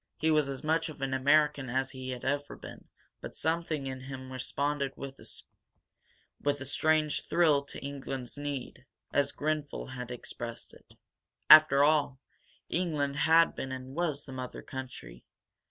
He was as much of an American as he had ever been, but something in him responded with a strange thrill to England's need, as Grenfel had expressed it. After all, England had been and was the mother country.